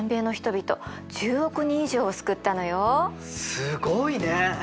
すごいね！